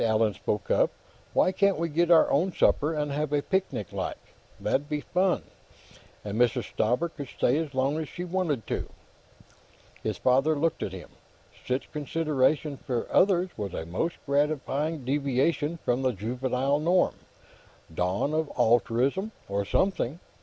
Allan spoke up. "Why can't we get our own supper, and have a picnic, like? That'd be fun, and Mrs. Stauber could stay as long as she wanted to." His father looked at him. Such consideration for others was a most gratifying deviation from the juvenile norm; dawn of altruism, or something.